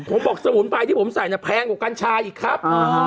ผมบอกสมุนไพรที่ผมใส่เนี่ยแพงกว่ากัญชาอีกครับ